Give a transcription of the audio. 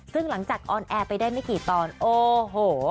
ซึ่งหลังจากออนแอร์ไปได้ไม่กี่ตอนโอ้โห